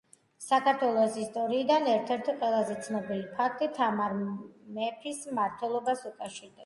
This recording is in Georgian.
საქართველოს ისტორიიდან ერთ-ერთი ყველაზე ცნობილი ფაქტი მეფე თამარის მმართველობას უკავშირდება